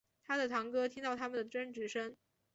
他的堂哥听到他们的争执声